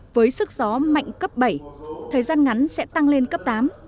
với sức gió mạnh cấp bảy thời gian ngắn sẽ tăng lên cấp tám